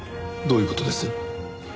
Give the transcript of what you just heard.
どういう事です？